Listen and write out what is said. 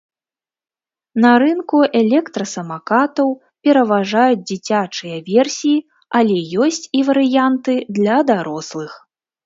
На рынку электрасамакатаў пераважаюць дзіцячыя версіі, але ёсць і варыянты для дарослых.